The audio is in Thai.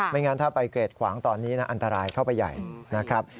งั้นถ้าไปเกรดขวางตอนนี้นะอันตรายเข้าไปใหญ่นะครับ